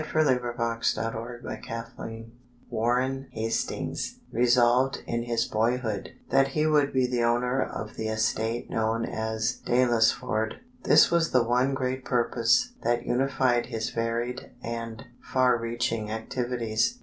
[Illustration: JOHN KENDRICK BANGS] WILL Warren Hastings resolved in his boyhood that he would be the owner of the estate known as Daylesford. This was the one great purpose that unified his varied and far reaching activities.